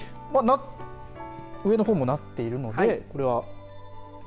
上の方もなっているのでこれは、丸。